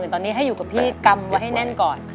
ตอนนี้ให้อยู่กับพี่กำไว้ให้แน่นก่อน